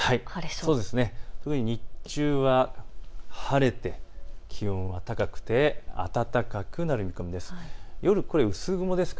日中は晴れて気温も高くて暖かくなる見込みです。